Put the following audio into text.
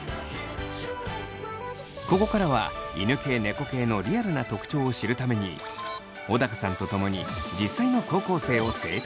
ここからは犬系・猫系のリアルな特徴を知るために小高さんと共に実際の高校生を生態チェック！